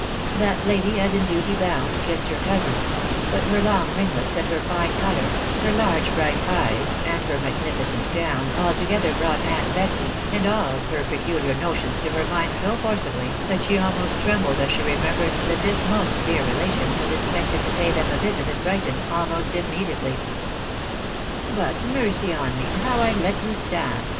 That lady, as in duty bound, kissed her cousin — ^but her long ringlets, and her fine colour, her large bright eyes, and her magnificent gown, altogether brought Aunt Betsy,' and all her pecuUar notions, to her mind so forcibly, that she almost trembled as she remembered that this most dear relation was expected to pay them a visit at Brighton, almost immediately. " But mercy on me ! how I let you stand